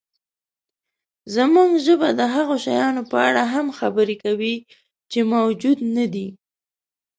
زموږ ژبه د هغو شیانو په اړه هم خبرې کوي، چې موجود نهدي.